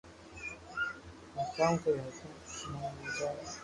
ھون ڪاو ڪري ھگو تو مني ھمجاو